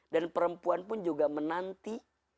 dan perempuan pun juga menanti